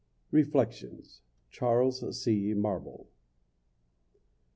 REFLECTIONS. CHARLES C. MARBLE.